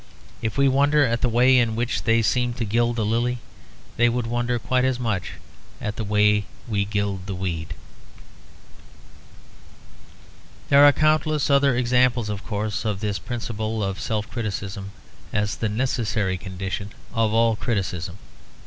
And if we wonder at the way in which they seem to gild the lily, they would wonder quite as much at the way we gild the weed. There are countless other examples of course of this principle of self criticism, as the necessary condition of all criticism.